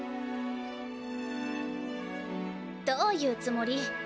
どういうつもり？